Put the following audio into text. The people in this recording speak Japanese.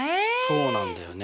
そうなんだよね。